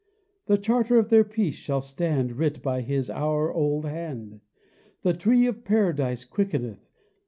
The charter of their peace shall stand Writ by His hour old hand. The Tree of Paradise quickeneth.